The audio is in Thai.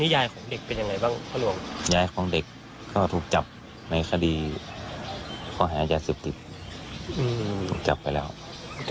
น้องก็อยู่กับตาสองต่อสองอยู่ที่บ้าน